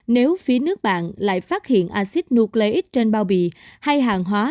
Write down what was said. nếu phía nước bạn lại phát hiện acid nucleic trên bao bì hay hàng hóa